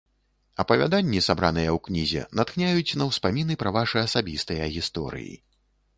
Апавяданні, сабраныя ў кнізе, натхняюць на ўспаміны пра вашы асабістыя гісторыі.